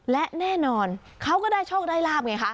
และแน่นอนเขาก็ได้โชคได้ลาบไงคะ